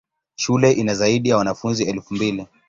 Shule ina zaidi ya wanafunzi elfu mbili.